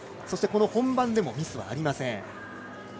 そして、本番でもミスはありません。